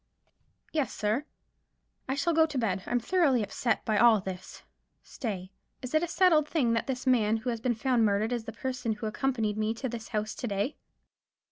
"Yes, sir." "I shall go to bed. I'm thoroughly upset by all this. Stay. Is it a settled thing that this man who has been found murdered is the person who accompanied me to this house to day?"